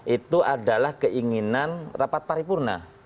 itu adalah keinginan rapat paripurna